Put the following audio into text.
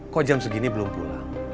kok jam segini belum pulang